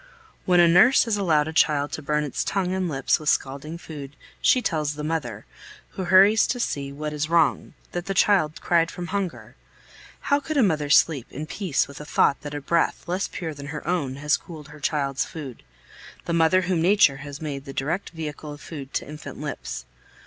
When a nurse has allowed a child to burn its tongue and lips with scalding food, she tells the mother, who hurries up to see what is wrong, that the child cried from hunger. How could a mother sleep in peace with the thought that a breath, less pure than her own, has cooled her child's food the mother whom Nature has made the direct vehicle of food to infant lips.